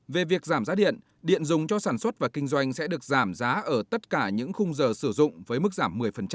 về việc giảm giá điện điện dùng cho sản xuất và kinh doanh sẽ được giảm giá ở tất cả những khung giờ sử dụng với mức giảm một mươi